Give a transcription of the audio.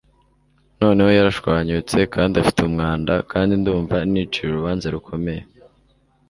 Noneho yarashwanyutse kandi afite umwanda, kandi ndumva nicira urubanza rukomeye